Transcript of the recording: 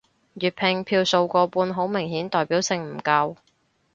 粵拼票數過半好明顯代表性唔夠